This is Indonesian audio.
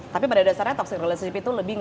tapi pada dasarnya toxic relationship itu lebih